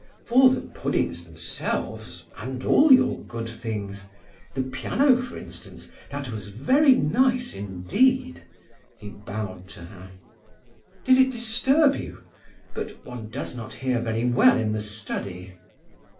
"For the puddings themselves, and all your good things. The piano, for instance. That was very nice indeed." He bowed to her. "Did it disturb you? But one does not hear very well in the study."